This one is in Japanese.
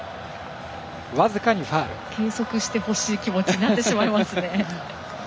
計測してほしい気持ちになってしまいますね。